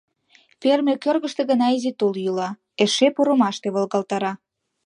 Ферме кӧргыштӧ гына изи тул йӱла, эше пурымаште волгалтара.